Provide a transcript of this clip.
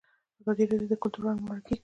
ازادي راډیو د کلتور اړوند مرکې کړي.